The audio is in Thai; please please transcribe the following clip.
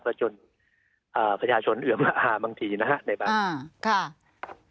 แล้วจนประชาชนเอื้อมหาบางทีนะฮะในบ้าง